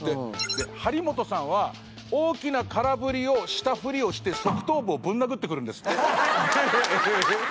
で張本さんは大きな空振りをしたふりをして側頭部をぶん殴ってくるんですって。